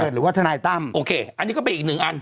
หรือว่าทนายตั้มโอเคอันนี้ก็เป็นอีกหนึ่งอัน